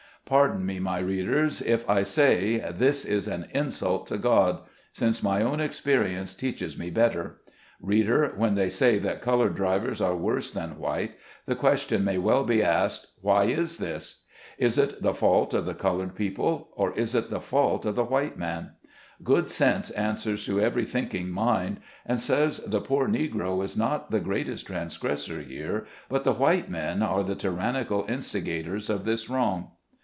Pardon me, my readers, if I say this is an insult to God ; since my own experi ence teaches me better. Reader, when they say that colored drivers are worse than white, the ques tion may well be asked, Why is this ? Is it the fault of the colored people, or is it the fault of the white man ? Good sense answers to every thinking mind, and says the poor Negro is not the greatest transgressor here, but the white men are the tyran nical instigators of this wrong.